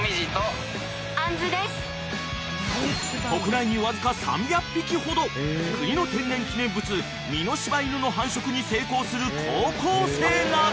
［国内にわずか３００匹ほど国の天然記念物美濃柴犬の繁殖に成功する高校生など］